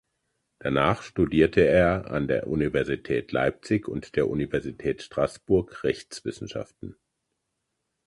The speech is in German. Danach studierte er an der Universität Leipzig und der Universität Straßburg Rechtswissenschaften.